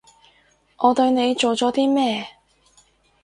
我對你做咗啲咩？